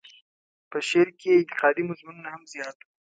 په شعر کې یې انتقادي مضمونونه هم زیات وو.